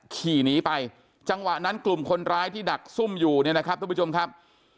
ขี่หนีไปจังหวะนั้นกลุ่มคนร้ายที่ดักซุ่มอยู่เนี่ยนะครับทุกผู้ชมครับ